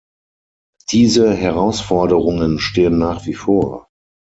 Diese Herausforderungen stehen nach wie vor.